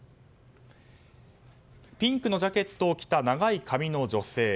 ピンクのジャケットを着た長い髪の女性。